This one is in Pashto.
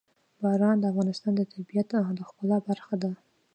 باران د افغانستان د طبیعت د ښکلا برخه ده.